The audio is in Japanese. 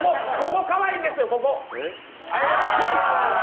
ここかわいいんですよ、ここ。